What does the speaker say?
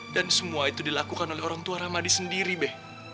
dan semua itu dilakukan oleh orang tua ramadi sendiri be